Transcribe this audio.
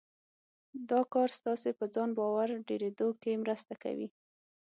دا کار ستاسې په ځان باور ډېرېدو کې مرسته کوي.